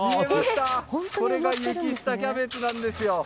これが雪下キャベツなんですよ。